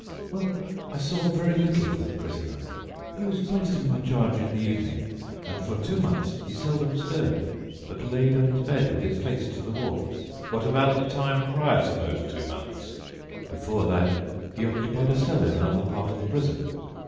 "Well, I saw very little of the prisoner. He was placed in my charge in the evening and, for two months, he seldom stirred, but laid on his bed with his face to the wall." "What about the time prior to those two months?" "Before that he occupied a cell in another part of the prison.